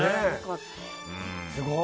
すごい。